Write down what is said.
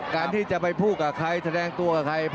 การที่จะไปพูดกับใครแสดงตัวกับใคร